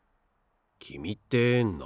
きみってなんなの？